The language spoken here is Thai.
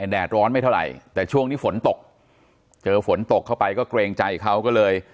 แดดร้อนไม่เท่าไหร่แต่ช่วงนี้ฝนตกเจอฝนตกเข้าไปก็เกรงใจเขาก็เลย